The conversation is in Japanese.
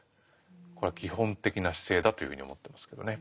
これは基本的な姿勢だというふうに思ってますけどね。